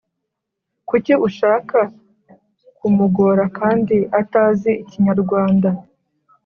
Kuki ushaka kumugora kandi atazi ikinyarwanda